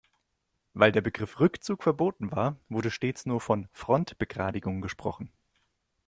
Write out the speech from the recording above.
Weil der Begriff Rückzug verboten war, wurde stets nur von Frontbegradigung gesprochen.